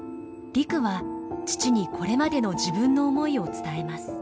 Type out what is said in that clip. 陸は父にこれまでの自分の思いを伝えます。